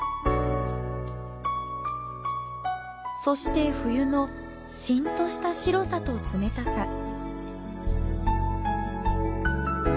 そして冬のしんとした白さと冷たさ。